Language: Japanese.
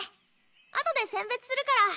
あとで選別するから。